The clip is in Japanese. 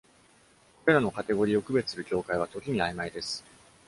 これらのカテゴリーを区別する境界は時にあいまいです。